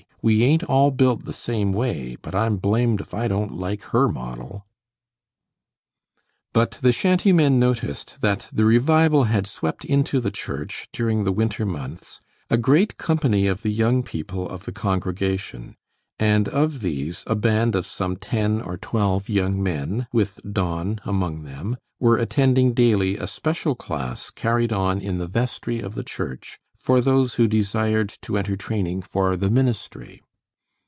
We ain't all built the same way, but I'm blamed if I don't like her model." But the shantymen noticed that the revival had swept into the church, during the winter months, a great company of the young people of the congregation; and of these, a band of some ten or twelve young men, with Don among them, were attending daily a special class carried on in the vestry of the church for those who desired to enter training for the ministry.